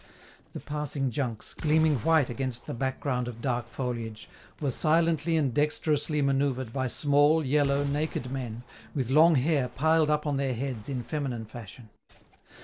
The passing junks, gleaming white against the background of dark foliage, were silently and dexterously manoeuvred by small, yellow, naked men, with long hair piled up on their heads in feminine fashion.